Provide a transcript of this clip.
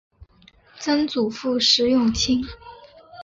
曾祖父石永清。